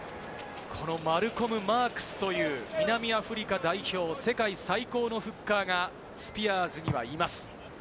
マルコム・マークスという南アフリカ代表、世界最高のフッカーがスピアーズにはいます。